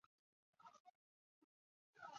在许多有性繁殖的生物的基因。